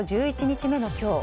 １１日目の今日